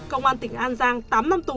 công an tỉnh an giang tám năm tù